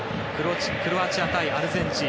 クロアチア対アルゼンチン。